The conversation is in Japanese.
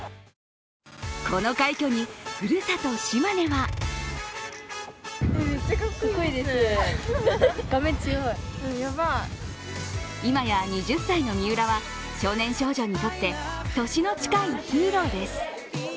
この快挙にふるさと・島根は今や、２０歳の三浦は少年少女にとって年の近いヒーローです。